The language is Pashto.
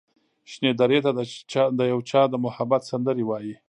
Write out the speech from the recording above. شنې درې ته د یو چا د محبت سندرې وايي